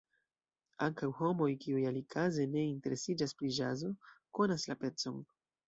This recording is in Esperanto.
Ankaŭ homoj, kiuj alikaze ne interesiĝas pri ĵazo, konas la pecon.